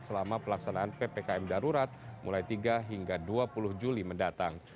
selama pelaksanaan ppkm darurat mulai tiga hingga dua puluh juli mendatang